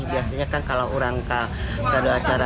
biasanya kan kalau orang ke adu acara